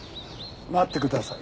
待ってください。